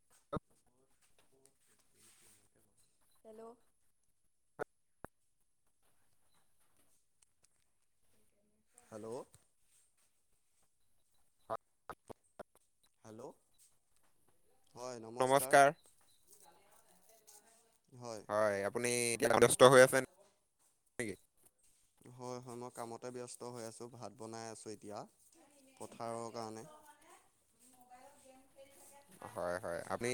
[unintelligible] Hello. Hello. [inaudible] Hello হয় নমস্কাৰ। হয়। হয় আপুনি এতিয়া ব্যস্থ হৈ আছে। নেকি? হয়, হয় মই কামতে ব্যস্ত হৈ আছোঁ ভাত বনাই আছোঁ এতিয়া পথাৰৰ কাৰণে হয়, হয় আপুনি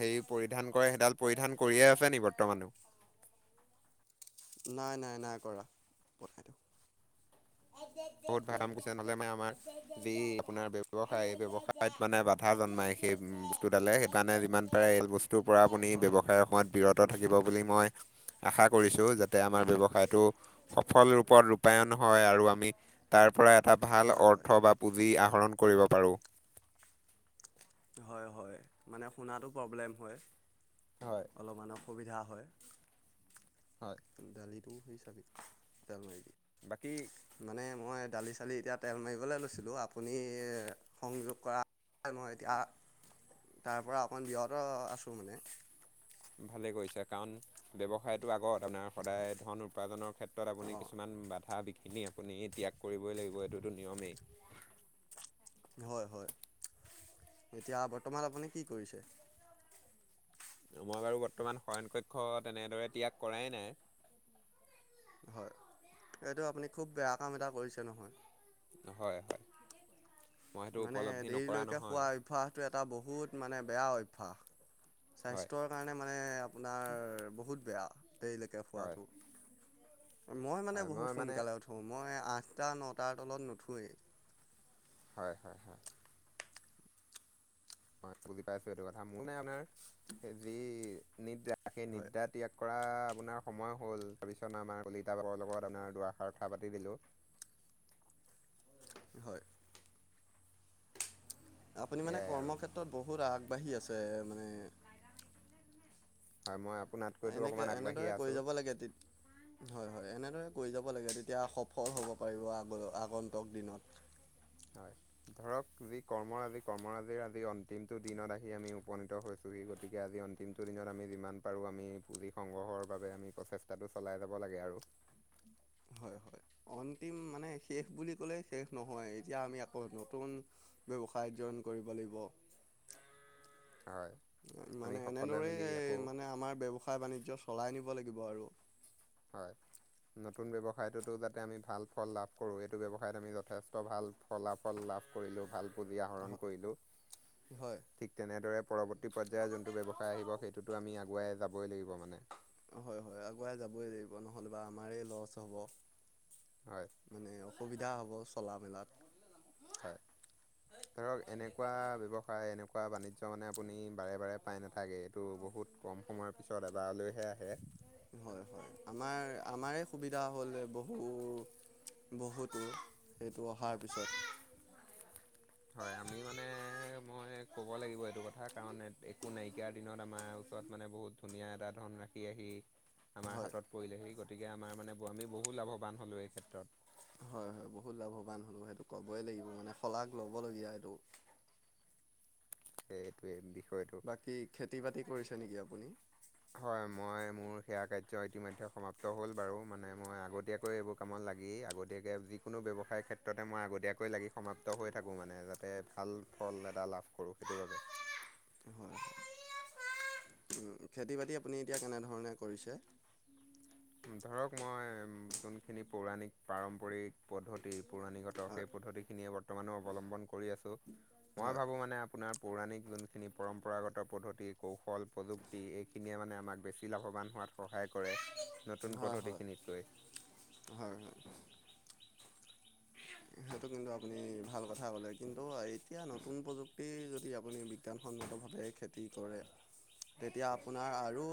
হেৰি পৰিধান কৰে সেইডাল পৰিধান কৰিয়ে আছে নেক বৰ্তমানো। নাই, নাই নাই কৰা পঠাইটো। আগগা [unintelligible] বহুত ভাল কাম কৰিছে নহ'লে মানে আমাৰ যি আপোনাৰ ব্যৱসায় ব্যয়ৱসায়ত মানে কথা জন্মায় সেই বস্তুডালে সেইকাৰণে যিমান পাৰে এই বস্তুৰ পৰা আপুনি হয় হয় ব্যৱসায়ৰ সময়ত বিৰত বনাই থাকিব দিওঁ বুলি মই আশা কৰিছোঁ যাতে আমাৰ ব্যৱসায়টো সফল ৰূপত ৰূপায়ন হয় আৰু আমি তাৰ পৰা এটা ভাল হয় হয় অৰ্থ বা পুঁজি আহৰণ কৰিব পাৰো। হয়, হয় মানে শুনাতো প্ৰব্লেম হয়। হয়। অলপমান অসুবিধা হয়। হয়। দালিটো হিচাপি জাল মাৰি বাকী মানে মই দালি চালি এতিয়া তেল মাৰিবলৈ লৈছিলোঁ আপুনি সংযোগ কৰা মই এতিয়া তাৰ পৰা অকণ বিৰত আছোঁ মানে। ভালে কৰিছে কাৰণ ব্যৱসায়তটো আগত আপোনাৰ সদায় ধন উপাৰ্জনৰ ক্ষেত্ৰত আপুনি অঁ কিছুমান বাধা বিঘিনি আপুনি এতিয়াক কৰিবই লাগিব এইটোতো নিয়মেই। হয়, হয় এতিয়া বৰ্তমান আপুনি কি কৰিছে? মই বাৰু বৰ্তমান শয়ন কক্ষ তেনেদৰে ত্যাগ কৰাই নাই। হয়, এইটো আপুনি খুব বেয়া কাম এটা কৰিছে নহয়। হয়-হয় মই সেইটো মানে উপলব্ধি নকৰা দেৰিলৈকে খোৱা নহয়। অভ্যাসটো এটা বহুত মানে বেয়া অভ্যাস। হয় স্বাস্থ্যৰ কাৰণে মানে আপোনাৰ বহুত বেয়া দেৰিলৈকে হয় শুৱাটো। মই মানে হয় বহুত মই মানে সোনকালে উঠোঁ, মই আঠটা নটাৰ তলত নুঠঁৱেই। হয়-হয়-হয়। হয়, বুজি পাই আছো। এইটো কথা মোৰ নাই আপোনাৰ যি নিদ্ৰা সেই হয় নিদ্ৰাত, ত্যাগ কৰা আপোনাৰ সময় হ'ল তাৰপিছত আমাৰ কলিতাাবৰ লগত আপোনাৰ দুআষাৰ কথা পাতি দিলোঁ। হয়, আপুনি মানে সেয়াই আৰু কৰ্মক্ষেত্ৰ কত বহুত আগবাঢ়ি আছে মানে, হয়, মই আপোনাৰ এনেকে এনেদৰে কৰি যাব লাগে, তেত হয়-হয়, এনেদৰে গৈ যাব লাগে তেতিয়া সফল হ'ব পাৰিব আগ আগন্তুক দিনত। হয়, ধৰক যি কৰ্মৰাজি-কৰ্মৰাজিৰ আজি অন্তিমটো দিনত আহি আমি উপনীত হৈছো। পুহি গতিকে আজি অন্তিমটো দত আমি যিমান পাৰোঁ, আমি পুঁজি সংগ্ৰহৰ বাবে আমি প্ৰচেষ্টা তাতো চলাই যাব লাগে আৰু। হয় হয় [inaudible] অন্তিম মানে শেষ বুলি ক'লে শেষ নহয়। এতিয়া আমি আকৌ নতুন ব্যৱসায় জৈন কৰিব লাগিব। উ [inaudible] মানে আকৌ এনেদৰেই মানে আমাৰ ব্যৱসায় বাণিজ্য চলাই নিব লাগিব আৰু। হয়। নতুন ব্যৱসায়টোতো যাতে আমি ভাল ফল লাভ কৰোঁ। এইটো ব্যৱসায়ত আমি যথেষ্ট ভাল, ফলাফল লাভ কৰিলো ভাল পুঁজি আহৰণ কৰিলো, হয় থিক তেনেদৰে পৰৱৰ্তী পৰ্যায়ৰ যোনটো ব্যৱসায় আহিব সেইটোতো আমি আগুৱাই যাবই লাগিব মানে। হয়-হয় আগুৱাই যাবই লাগিব নহ'লে আমাৰ লচ হ'ব। হয়। মানে অসুবিধা হ'ব চলা মেলাত। হয় ধৰক এনেকুৱা ব্যৱসায় এনেকুৱা বাণিজ্য মানে আপুনি বাৰে-বাৰে, উপায় নাথাকে এইটো বহুত কম সময়ৰ পিছত এবাৰলৈহে আহে। হয়-হয় আমাৰ আমাৰে সুবিধা হ'ল বহু। বহুতো সেইটো অহাৰ পিছত। হয় আমি মানে মই ক'ব লাগিব, এইটো কথা কাৰণ একো নাইকিয়াৰ দিনত আমাৰ ওচৰত মানে বহুত ধুনীয়া এটা ধন ৰাখি আহি, আমাৰ হয় হাতত পৰিলেহি গতিকে আমাৰ মানে আমি বহু লাভৱান হ'লোঁ এই ক্ষেত্ৰত। হয়-হয় বহুত লাভৱান হ'লো সেইটো ক'বই লাগিব মানে শলাগ ল'বলগীয়া এইটো। এইটোৱে বিষয়টো। কি খেতি বাতি কৰিছে নেকি আপুনি? হয়, মই মোৰ সেয়া কাৰ্য ইতিমধ্যে সমাপ্ত হ'ল বাৰু। মানে মই আগতিয়াকৈ কৈ এইবোৰ কামত লাগি আগতীয়াকৈ যিকোনো ব্যৱসায়ৰ ক্ষেত্ৰতে মই আগতীয়াকৈ লাগি সমাপ্ত হৈ থাকোঁ, মানে যাতে ভাল ফল এটা লাভ কৰোঁ সেইটো বাবে। হয়। [unintelligible] খেতি বাতি আপুনি এতিয়া কেনেধৰণে কৰিছে। ধৰক মই যোনখিনি পৌৰাণিক পাৰম্পৰিক পদ্ধতি পৌৰাণিকত, হয় সেই পদ্ধতিখিনিয়ে বৰ্তমানে অৱলম্বন কৰি আছোঁ। মই হয় ভাবোঁ মানে আপোনাৰ পৌৰাণিক যোনখিনি পৰম্পৰাগত পদ্ধতি কৌশল প্ৰযুক্তি এইখিনিয়ে মানে আমাক বেছি লাভৱান হোৱাত সহায় কৰে। নতুন পদ্ধতিখিনিতকৈ হয়-হয়-হয়-হয়। সেইটো কিন্তু আপুনি ভাল কথা ক'লে কিন্তু এতিয়া নতুন প্ৰযুক্তি যদি আপুনি বিজ্ঞানসন্মতভাৱে খে কি কৰে? তেতিয়া আপোনাৰ আৰু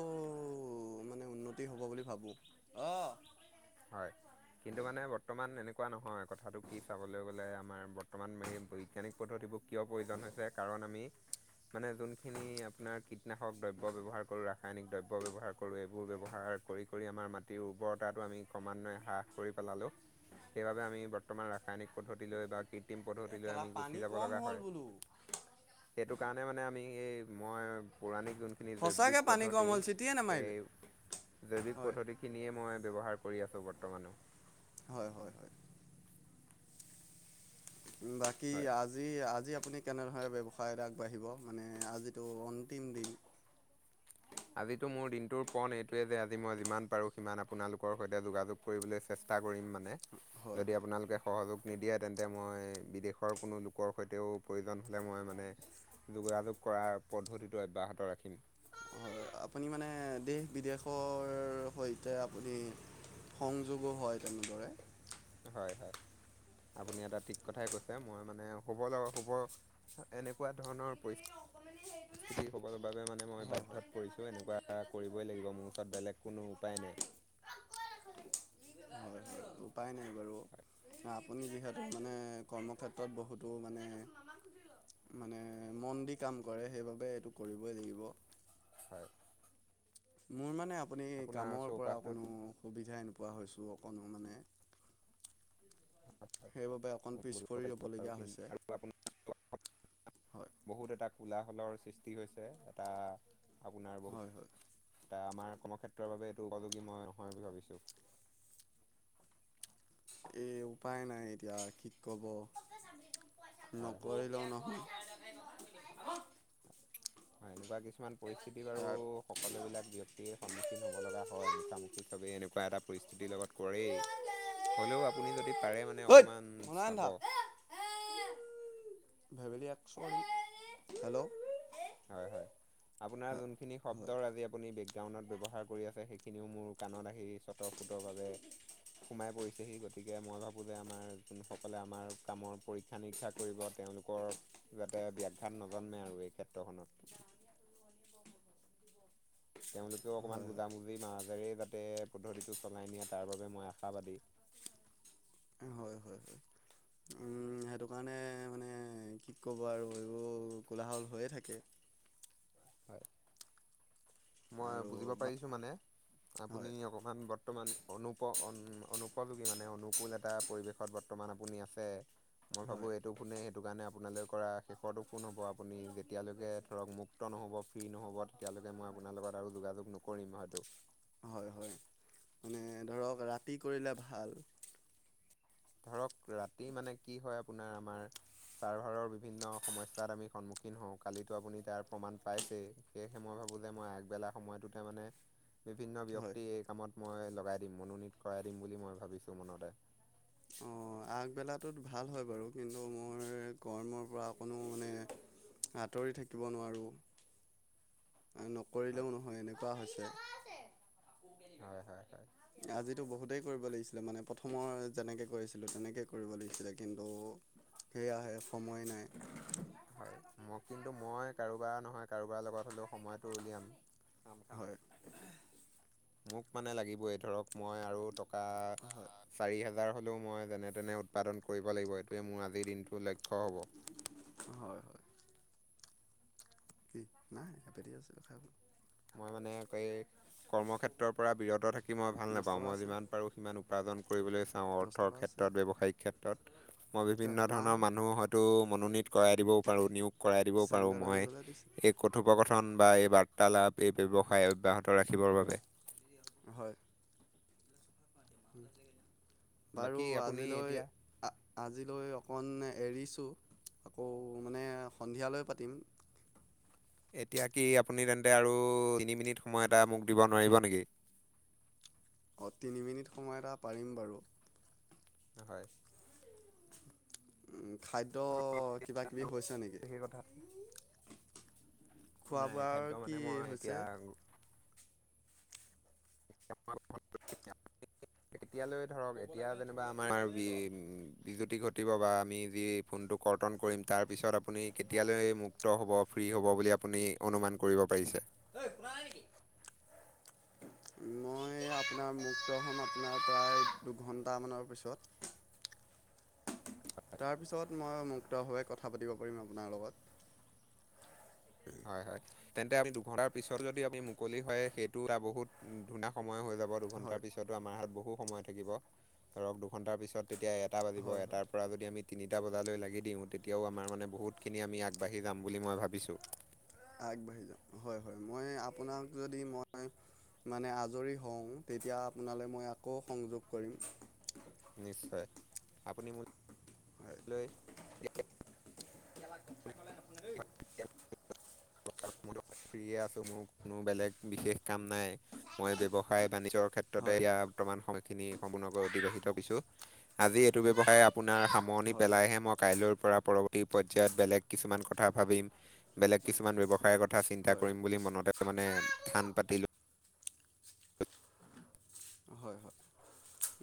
মানে উন্নতি হ'ব বুলি ভাবো। অহ, হয়। কিন্তু মানে বৰ্তমান এনেকুৱা নহয়, কথাটো কি চাবলৈ গ'লে আমাৰ বৰ্তমান এই বৈজ্ঞানিক পদ্ধতিবোৰ কিয় প্ৰয়োজন হৈছে? কাৰণ আমি মানে যোনখিনি আপোনাৰ কীটনাশক দ্ৰব্য ব্যৱহাৰ কৰোঁ, ৰাসায়নিক দ্ৰব্য ব্যৱহাৰ কৰোঁ। এইবোৰ ব্যৱহাৰ কৰি-কৰি আমাৰ মাটিৰ উৰ্বৰতাটো আমি ক্ৰমান্বয়ে হ্ৰাস কৰি পেলালোঁ, সেইবাবে আমি বৰ্তমান ৰাসায়নিক পদ্ধতিলৈ বা কৃত্ৰিম এই পদ্ধতিলৈ কেলা আমি পানী গুচি যাব কম লগা হ'ল হয়। বোলো সেইটো কাৰণে মানে আমি এই মই পৌৰাণিক যোন সঁচাকে পানী কম হ'ল চিটিয়ে নামাৰিলে। জৈৱিক হয় পদ্ধতিখিনিয়ে মই ব্যৱহাৰ কৰি আছো বৰ্তমানো। হয়-হয়-হয়। বাকী হয়। আজ যি আজি-আজি আপুনি কেনেধৰৰে ব্যৱসায়ত আগবাঢ়িব মানে আজিটো অন্তিম দিন। আজিতো মোৰ দিনটোৰ পণ এইটোৱে যে আজি মই যিমান পাৰো সিমান আপোনালোকৰ সৈতে যোগাযোগ কৰিবলৈ চেষ্টা কৰিম মানে হয় যদি হয় আপোনালোকে সহযোগ নিদিয়ে তেন্তে মই বিদেশৰ কোনো লোকৰ সৈতেও প্ৰয়োজন হ'লে মই মানে যোগাযোগ কৰাৰ পদ্ধতিটো অব্যাহত ৰাখিম। হয়। আপুনি মানে দেশ বিদেশৰ সৈতে আপুনি সংযোগো হয় তেনেদৰে। হয়-হয়, আপুনি এটা ঠিক কথাই কৈছে মই মানে হব লগ হব এনেকুৱা ধৰণৰ পৰি হ'বৰ বাবে মানে মই হয় হয় বাধ্যত পৰিছো এনেকুৱা কৰিবই লাগিব মোৰ ওচৰত বেলেগ কোনো উপায় নাই। হয় উপায় নাই বাৰু। আপুনি যিহেতু মানে কৰ্মক্ষেত্ৰত বহুতো মানে মানে মন দি কাম কৰে সেইবাবে এইটো কৰিবই লাগিব। হয়। মোৰ মানে আপুনি আপোনাৰ কামৰ পৰা অ, চৌপাশটোত কোনো সুবিধাই নোপোৱা হৈছোঁ অকণো মানে। সেইবাবে অকণ পিছ বুজিব পৰি পাৰছো ৰ'বলগীয়া হৈছে আৰু আপোনাৰ [unintelligible] হয়। বহুত এটা কোলাহলৰ সৃষ্টি হৈছে। এটা আপোনাৰ হয় হয় বহুত এয়া আমাৰ কৰ্মক্ষেত্ৰৰ বাবে এইটো উপযোগী মই নহয় বুলি ভাবিছো। এ উপায় নাই এতিয়া কি কব? হয় হয় নকৰিলেও নহয়। হয়, এনেকুৱা কিছুমান পৰিস্থিতি বাৰু তাৰ সকলোবিলাক ব্যক্ত সন্মুখীন হব লগা হয়, মুখামুখি চবেই এনেকুৱা এটা পৰিস্থিতিৰ লগত কৰেই। হ'লেও আপুনি যদি পাৰে মানে অকমান চাব। উ [unintelligible] ভেভেলীক চৰি হেল্ল', এক [unintelligible] হয়-হয় আপোনাৰ যোনখিনি হয় শব্দৰ আজি আপুনি ব্ৰেকগ্ৰাউণ্ডত ব্যৱহাৰ কৰি আছে, সেইখিনিও মোৰ কাণত আহি চতৰ ফুটৰ ভাৱে সোমাই পৰিছেহি, গতিকে মই ভাবোঁ যে আমাৰ যোনসকলে আমাৰ কামৰ পৰীক্ষা নি শিক্ষা কৰিব তেওঁলোকক যাতে ব্যাঘাত নজন্মে আৰু এই ক্ষেত্ৰখনত। তেওঁলোকেও অকণমান হয় হয় বুজাবুজিৰ মাজেৰে যাতে পদ্ধতিটো চলাই নিয়ে তাৰ বাবোবে মই আশাবাদী। হয়-হয়-হয়। উম সেইটো কাৰণে মানে কি ক'ব আৰু এইবোৰ কোলাহল হৈয়ে থাকে হয়। মই আৰু বুজিব পাৰিছো মানে আপুনি হয় অ কমান বৰ্তমান অনুপ অনুপযোগী মানে অনুকূল এটা পৰিৱেশত বৰ্তমান আপুনি আছে। মই হয় ভাবোঁ এইটো ফোনে সেইটো কাৰণে আপোনালৈ কৰা শেষৰটো ফোন হ'ব আপুনি যেতিয়ালৈকে ধৰক মুক্ত নহ'ব ফ্ৰী নহ'ব তেতিয়ালৈকে মই আপোনাৰ লগত আৰু যোগাযোগ নকৰিম হয়তো। হয় হয় মানে ধৰক ৰাতি কৰিলে ভাল ধৰক ৰাতি মানে কি হয় আপোনাৰ আমাৰ ছাৰ্ভাৰৰ বিভিন্ন সমস্যাত আমি সন্মুখীন হওঁ কালিতো আপুনি তাৰ প্ৰমাণ পাইছেই সেয়েহে মই ভাবো যে মই আগবেলা সময়টোতে মানে বিভিন্ন হয় ব্যক্তিক এই কামত মই লগাই দিম মনোনীত কৰাই দিম বুলি মই ভাবিছো মনতে অ আগবেলাটোত ভাল হয় বাৰু কিন্তু মোৰ কৰ্মৰ পৰা অকনো মানে আঁতৰি থাকিব নোৱাৰোঁ [inaudible] আৰু হয় নকৰিলেও নহয় এনেকুৱা হৈছে হয় হয় হয় আজিতো বহুতেই কৰিব লাগিছিলে মানে প্ৰথমৰ যেনেকৈ কৰিছিলোঁ তেনেকেই কৰিব লাগিছিলে কিন্তু সেয়াহে সময় নাই হয় মই কিন্তু মই কাৰোবাৰ নহয় কাৰোবাৰ লগত হ'লেও সময়তটো উলিয়াম খাম খাম হয় মোক মানে লাগিবই ধৰক মই আৰু টকা হয় চাৰি হেজাৰ হ'লেও মই যেনে তেনে উৎপাদন কৰিব লাগিব এইটোৱে মোৰ আজিৰ দিনটোৰ লক্ষ্য হ'ব। হয় হয় এনেপেৰি [unintelligible] আছোঁ খাব মই মানে ক এই কৰ্মক্ষেত্ৰৰ পৰা বিৰত থাকি মই ভাল দহ নাপাওঁ টকা মই আছিল যিমান পাৰো সিমান উপাৰ্জন কৰিবলৈ চাওঁ দহ অৰ্থৰ টকা ক্ষেত্ৰ আছিলে ত ব্যৱসায়িক ক্ষেত্ৰত মই কিয় বিভিন্ন ধৰণৰ মাহঁতক মানুহ হয়তো মনোনীত কৰাই দিবও পাৰোঁ নিয়োগ কৰাই দিবও পাৰোঁ চেণ্ডেল মই আনিবলৈ দিছে কথোপকথন বা এই বাৰ্তালাপ এই ব্যৱসায় অব্যাহত ৰাখিবৰ বাবে। হয় বাৰু বাকী আপুনি আজিলৈ এতিয়া আ আজিলৈ অকণ এৰিছোঁ আকৌ মানে সন্ধিয়ালৈ পাতিম এতিয়া কি আপুনি তেন্তে আৰু তিনি মিনিট সময় এটা মোক দিব নোৱাৰিব নেকি? অ, তিনি মিনিট সময় এটা পাৰিম বাৰু। হয়। খাদ্য কিবা কিবি হৈছে নেকি? সেই কথা আছিল। [unintelligible] খোৱা বোৱাৰ খাদ্য মানে কি মই হৈছে? [unintelligible] এতিয়ালৈ ধৰক এতিয়া যেনিবা আমাৰ বিজুতি ঘটিব বা আমি যি ফোনটো কৰ্তন কৰিম তাৰপিছত আপুনি কেতিয়ালৈ মুক্ত হ'ব ফ্ৰী হ'ব বুলি আপুনি অনুমান কৰিব পাৰিছে। ঐ শুনা নাই নেকি? [inaudible] মই আপোনাৰ মুক্ত হ'ম আপোনাৰ প্ৰায় দুঘণ্টামানৰ পিছত। তাৰপিছত মই মুক্তভাৱে কথা পাতিব পাৰিম আপোনাৰ লগত। হয়, হয়। তেন্তে আপুনি দুঘন্টাৰ পিছত যদি আপুনি মুকলি হয় সেইটো এটা বহুত ধুনিয়ী সময় হৈ যাব। হয়। দুঘণ্টাৰ পিছতো আমাৰ হাত বহু সময় থাকিব ধৰক দুঘণ্টাৰ পিছত তেতিয়া এটা বাজিব হয় হয় এটাৰ পৰা যদি আমি তিনিটা বজালৈ লাগি দিওঁ তেতিয়াও আমাৰ মানে বহুতখিনি আমি আগবাঢ়ি যাম বুলি মই ভাবিছোঁ। আগবাঢ়ি যাওঁ হয় হয় মই আপোনাক যদি মই মানে আজৰি হওঁ তেতিয়া আপোনালৈ মই আকৌ সংযোগ কৰিম। নিশ্চয় আপুনি হয় মুলৈ [unintelligible] [unintelligible] ফ্ৰিয়ে আছো মোৰ কোনো বেলেগ বিশেষ কাম নাই। মই ব্যৱসায় বাণিজ্যৰ ক্ষেত্ৰতে হয়। এয়া বৰ্তমান সময়খিনি সম্পূৰ্ণকৈ অতিবাহিত দিছো। আজি এইটো ব্যৱসায় আপোনাৰ সামৰণি হয় পেলাইহে ম কাইলৈৰ পৰা পৰৱৰ্তী পৰ্যায়ত বেলেগ কিছুমান কথা ভাবিম বেলেগ কিছুমান ব্যৱসায়ৰ কথা চিন্তা হয় কৰিম বুলি মনতে মানে থান পাতিলো হয় হয়।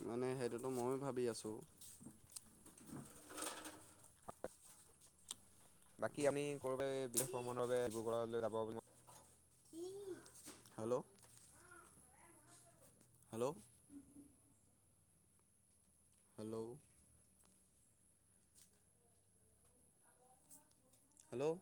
মানে সেইটোতো ময়ো ভাব বি আছোঁ। বাকী আমি কৰবে বিশেষ ভ্ৰমণৰ বাবে ড্ৰগড়লৈ যাব ম হেল্ল' হেল্ল' হেল্লৌ। হেল্লৌ।